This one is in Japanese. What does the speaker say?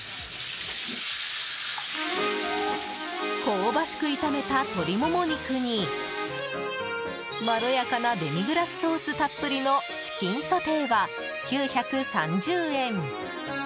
香ばしく炒めた鶏モモ肉にまろやかなデミグラスソースたっぷりのチキンソテーは、９３０円。